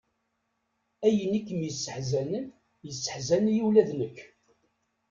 Ayen i kem-yesseḥzanen, yesseḥzan-iyi ula d nekk.